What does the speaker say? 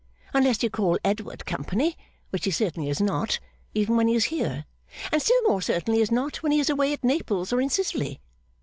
Unless you call Edward company, which he certainly is not, even when he is here, and still more certainly is not when he is away at Naples or in Sicily.